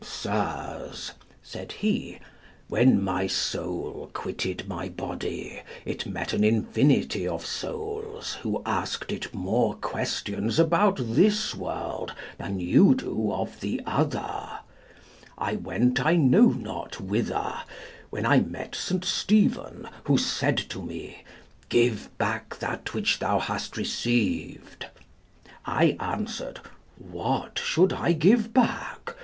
"Sirs," said he, "when my soul quitted my body, it met an infinity of souls, who asked it more questions about this world than you do of the other. I went I know not whither, when I met St. Stephen, who said to me, 'Give back that which thou hast received.' I answered, 'What should I give back?